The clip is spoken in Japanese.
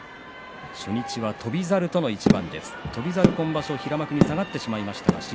初日は翔猿との一番です。